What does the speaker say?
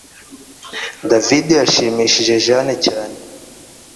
David yashimishije Jane cyane